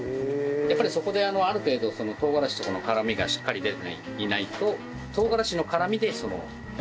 やっぱりそこである程度唐辛子とかの辛みがしっかり出ていないと。